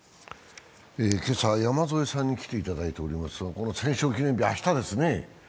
今朝、山添さんに来ていただいていますが、戦勝記念日、明日ですね。